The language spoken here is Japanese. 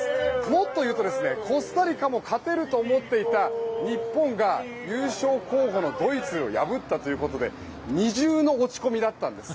もっと言うと、コスタリカも勝てると思っていた日本が優勝候補のドイツを破ったということで二重の落ち込みだったんです。